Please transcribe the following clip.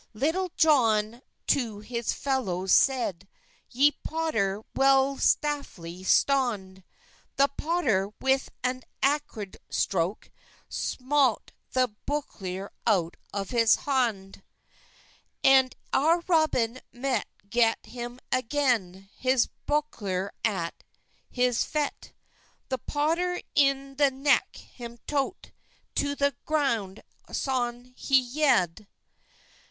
Leytell John to hes felowhes seyde, "Yend potter welle steffeley stonde:" The potter, with an acward stroke, Smot the bokeler owt of hes honde; And ar Roben meyt get hem agen Hes bokeler at hes fette, The potter yn the neke hem toke, To the gronde sone he yede.